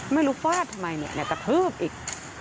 ไม่รู้ฟาดทำไมเนี่ยแต่พื้บอีก